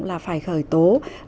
là phải khởi tố